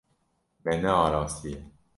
Me nearastiye.